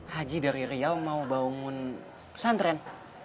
haji dari riau mau bangun pesantren